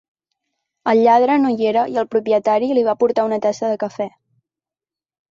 El lladre no hi era i el propietari li va portar una tassa de cafè.